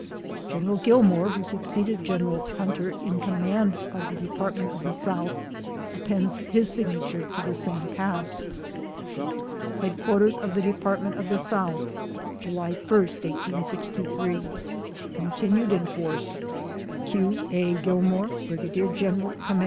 General Gillman, who succeeded General Hunter in command of the Department of the South, ap pends his signature to the same pass. HEADQUARTERS OF THE DEPARTMENT OF THE SOUTH, July 1, 1863. Continued in force. I. A. GILLMAN, Brig. Gen. Com.